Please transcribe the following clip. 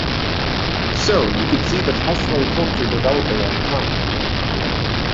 So you could see the hustling culture developing at the time.